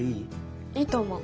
いいと思う。